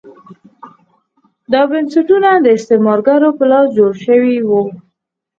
دا بنسټونه د استعمارګرو په لاس جوړ شوي وو.